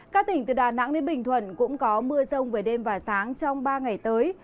các tỉnh từ đà nẵng đến bình thuận cũng có mưa rông về đêm và sáng trong ba ngày tới